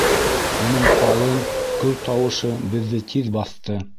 - Уның ҡалын, көр тауышы беҙҙе тиҙ баҫты.